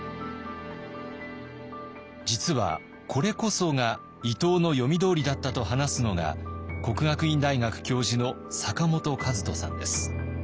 実はこれこそが伊藤の読み通りだったと話すのが國學院大學教授の坂本一登さんです。